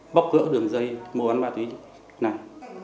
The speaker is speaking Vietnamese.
bóc gỡ đường dây mô án ma túy này